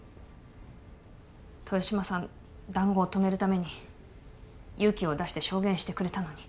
豊島さん談合を止めるために勇気を出して証言してくれたのに。